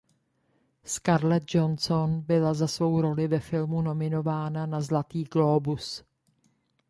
Scarlett Johansson byla za svou roli ve filmu nominována na Zlatý glóbus.